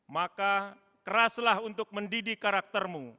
maka keraslah untuk mendidik karaktermu